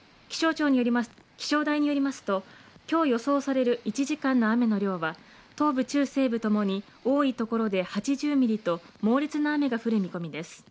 気象台によりますときょう予想される１時間の雨の量は東部中西部ともに多いところで８０ミリと猛烈な雨が降る見込みです。